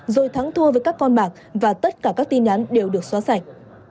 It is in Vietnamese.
rồi thắng thua với các con bạc và tất cả các tin nhắn đều được xóa sạch